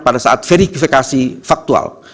pada saat verifikasi faktual